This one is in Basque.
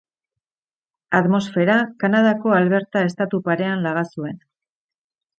Atmosfera Kanadako Alberta estatu parean laga zuen.